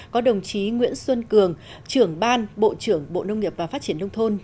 có đồng chí nguyễn xuân cường trưởng ban bộ trưởng bộ nông nghiệp và phát triển nông thôn